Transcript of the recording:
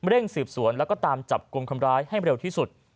สืบสวนแล้วก็ตามจับกลุ่มคนร้ายให้เร็วที่สุด